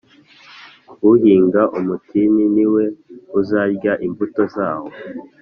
uhinga umutini ni we uzarya imbuto zawo